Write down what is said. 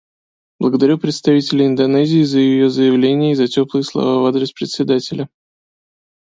Благодарю представителя Индонезии за ее заявление и за теплые слова в адрес Председателя.